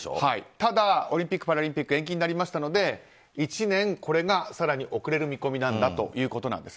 ただオリンピック・パラリンピック延期になりましたので１年、これが更に遅れる見込みなんだということなんです。